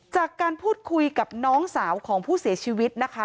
จากการพูดคุยกับน้องสาวของผู้เสียชีวิตนะคะ